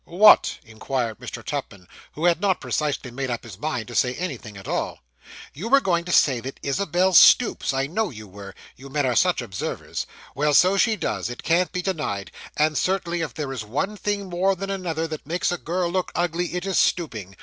'What?' inquired Mr. Tupman, who had not precisely made up his mind to say anything at all. 'You were going to say that Isabel stoops I know you were you men are such observers. Well, so she does; it can't be denied; and, certainly, if there is one thing more than another that makes a girl look ugly it is stooping.